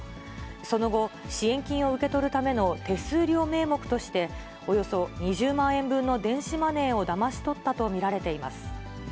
その後、支援金を受け取るための手数料名目として、およそ２０万円分の電子マネーをだまし取ったと見られています。